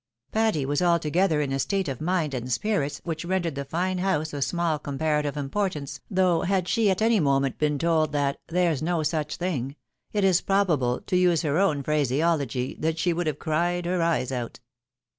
Patty was altogether in a state of mind and spirits which rendered the fine house of small comparative importance, though had she at any moment been told that There's no such thing, it is probable, to use her own phraseology, that she would have " cried her eyes out."